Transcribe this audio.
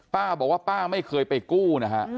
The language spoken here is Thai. ป้าบอกว่าป้าไม่เคยไปกู้นะฮะ